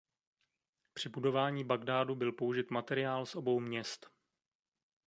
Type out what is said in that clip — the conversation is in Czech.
Při budování Bagdádu byl použit materiál z obou měst.